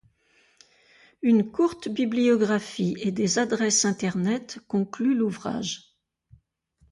Une courte bibliographie et des adresses Internet concluent l'ouvrage.